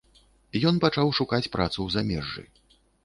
Ён пачаў шукаць працу ў замежжы.